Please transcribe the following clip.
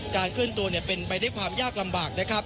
การขึ้นตัวเป็นไปได้ยากความลำบาก